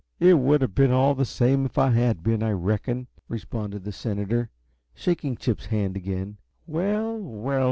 "It would have been all the same if I had been, I reckon," responded the senator, shaking Chip's hand again. "Well, well!